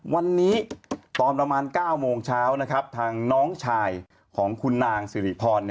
วันนี้ตอนประมาณ๙โมงเช้านะครับทางน้องชายของคุณนางสิริพร